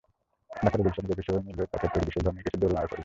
ঢাকার গুলশানের বেবি শপে মিলবে কাঠের তৈরি বিশেষ ধরনের কিছু দোলনার খোঁজ।